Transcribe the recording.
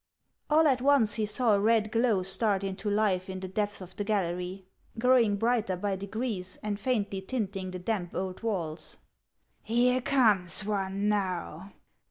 All at once he saw a red glow start into life in the depths of the gallery, growing brighter by degrees and faintly tinting the damp old walls. " Here comes one now.